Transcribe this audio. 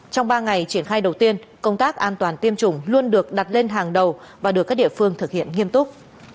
trong ba ngày triển khai đầu tiên công tác an toàn tiêm chủng luôn được đặt lên hàng đầu và được các địa phương thực hiện nghiêm túc